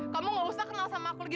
kamu gak usah kenal sama aku gitu